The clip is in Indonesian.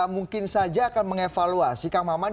mungkin saja akan mengevaluasi kang maman